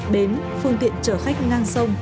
bến phương tiện chở khách ngang sông